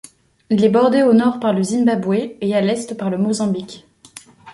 Il est bordé au nord par le Zimbabwe et à l'est par le Mozambique.